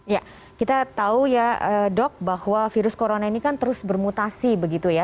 ya kita tahu ya dok bahwa virus corona ini kan terus bermutasi begitu ya